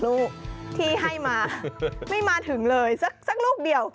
ลูกที่ให้มาไม่มาถึงเลยสักลูกเดียว